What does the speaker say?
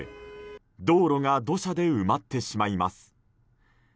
道路が土砂で埋まってしまいます。